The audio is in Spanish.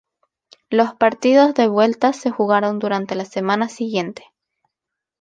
Los partidos de vuelta se jugaron durante la semana siguiente.